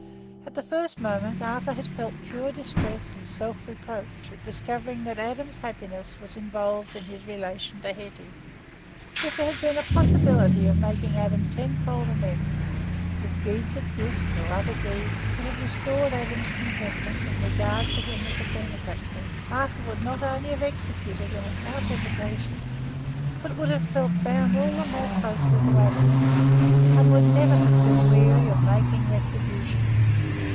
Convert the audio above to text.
At the first moment, Arthur had felt pure distress and self reproach at discovering that Adam's happiness was involved in his relation to Hetty. If there had been a possibility of making Adam tenfold amends—if deeds of gift, or any other deeds, could have restored Adam's contentment and regard for him as a benefactor, Arthur would not only have executed them without hesitation, but would have felt bound all the more closely to Adam, and would never have been weary of making retribution.